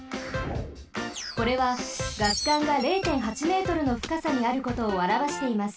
これはガス管が０．８Ｍのふかさにあることをあらわしています。